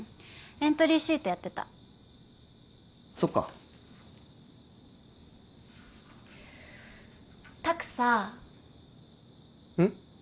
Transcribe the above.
エントリーシートやってたそっか拓さあうん？